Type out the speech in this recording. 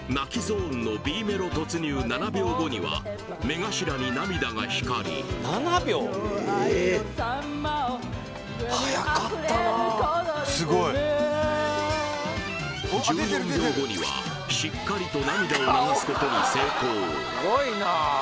ゾーンのＢメロ突入７秒後には目頭に涙が光り早かったなすごい１４秒後にはしっかりと涙を流すことに成功